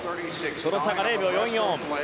その差が０秒４４。